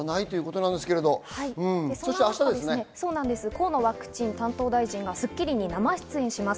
明日は河野ワクチン担当大臣が『スッキリ』に生出演します。